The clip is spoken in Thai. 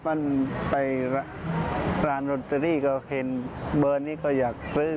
มันไปร้านโรตเตอรี่ก็เห็นเบอร์นี้ก็อยากซื้อ